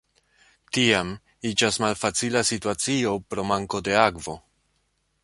Tiam iĝas malfacila situacio pro manko de akvo.